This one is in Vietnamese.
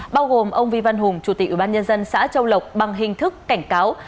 bao gồm ông vi văn hùng chủ tịch ubnd xã châu lộc bằng hình thức cảnh cáo